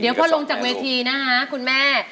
เดี๋ยวพอลงจากเวทีนะคะคุณแม่